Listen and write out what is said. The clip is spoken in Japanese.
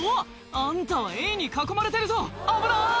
あんたはエイに囲まれてるぞ危ない！